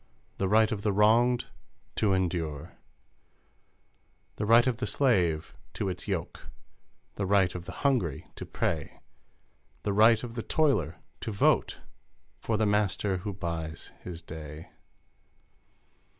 The right of the wronged to endure ! The right of the slave to its yoke, The right of the hungry to pray, The right, of the toiler to vote For the master who buys his day